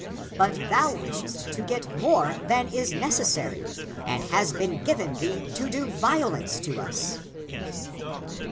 But thou wishest to get more than is necessary and has been given thee and to do vio lence to us